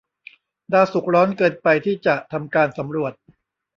ดาวศุกร์ร้อนเกินไปที่จะทำการสำรวจ